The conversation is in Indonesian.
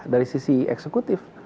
dari sisi eksekutif